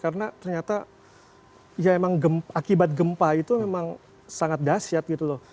karena ternyata ya memang akibat gempa itu memang sangat dahsyat